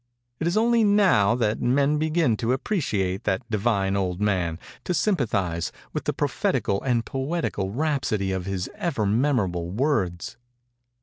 It is only now that men begin to appreciate that divine old man—to sympathize with the prophetical and poetical rhapsody of his ever memorable words.